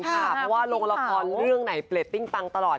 เพราะโรงละครเรื่องไหนเปลี่ยดติ้งตั้งตลอด